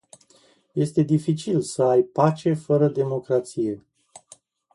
Este dificil să ai pace fără democrație.